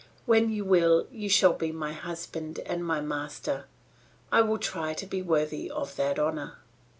When you will, you shall be my husband and my master; I will try to be worthy of that honour."